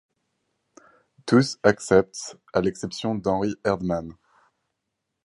Tous acceptent, à l'exception d'Henry Erdmann.